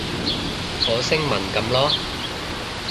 火星文噉囉